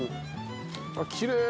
あっきれい！